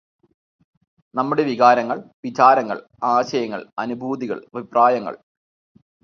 നമ്മുടെ വികാരങ്ങൾ, വിചാരങ്ങൾ, ആശയങ്ങൾ, അനുഭൂതികൾ, അഭിപ്രായങ്ങൾ.